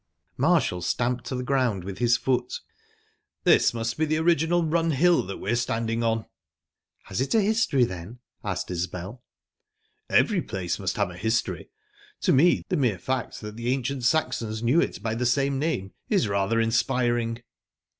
Marshall stamped the ground with his foot. "This must be the original Run Hill that we're standing on." "Has it a history, then?" asked Isbel. "Every place must have a history. To me, the mere fact that the ancient Saxons knew it by the same name is rather inspiring."